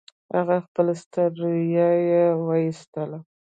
هغه خپله ستړيا يې و ايستله.